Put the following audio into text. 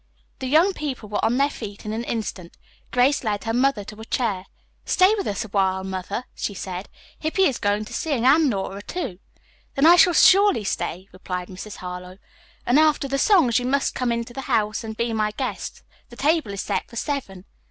The young people were on their feet in an instant. Grace led her mother to a chair. "Stay with us awhile, Mother," she said. "Hippy is going to sing, and Nora, too." "Then I shall surely stay," replied Mrs. Harlowe. "And after the songs you must come into the house and be my guests. The table is set for seven."